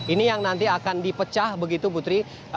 ini yang nanti akan dipecah begitu putri